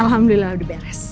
alhamdulillah udah beres